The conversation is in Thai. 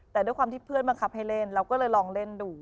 แต่ด้วยความที่เพื่อนบังคับให้เล่นเราก็เลยลองเล่นดู